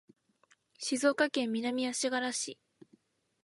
静岡県南足柄市